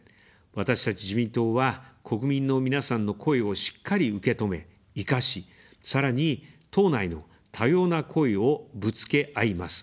私たち自民党は、国民の皆さんの声をしっかり受け止め、活かし、さらに、党内の多様な声をぶつけ合います。